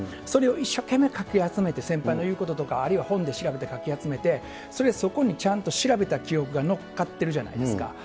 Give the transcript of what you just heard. それを一生懸命かき集めて、先輩の言うこととか、あるいは本で調べてかき集めて、それをそこに調べた記憶が乗っかってるじゃないですか。